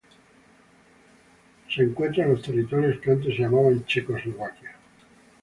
Se encuentra en los territorios que antes se llamaban Checoslovaquia.